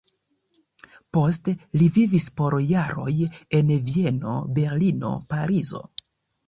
Poste li vivis por jaroj en Vieno, Berlino, Parizo.